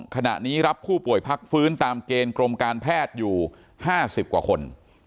ขณะนี้รับผู้ป่วยพักฟื้นตามเกณฑ์กรมการแพทย์อยู่๕๐กว่าคน